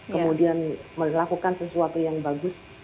kemudian melakukan sesuatu yang bagus